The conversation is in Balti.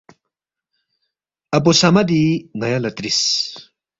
اپو صمدی نایا لا تریس۔